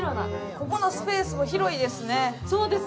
ここのスペースも広いですね。